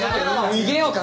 逃げようかな。